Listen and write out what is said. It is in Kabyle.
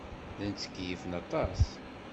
Llan ttkeyyifen aṭas.